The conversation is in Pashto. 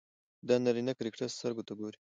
د نارينه کرکټر سترګو ته ګوري